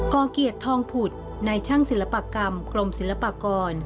กเกียรติทองผุดในช่างศิลปกรรมกรมศิลปากร